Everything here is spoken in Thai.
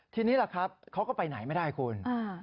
ทีนี้เขาก็ไปไหนไม่ได้คุณ